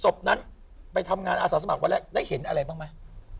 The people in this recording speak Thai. ศพนั้นไปทำงานอาสาสมัครวันแรกได้เห็นอะไรบ้างไหม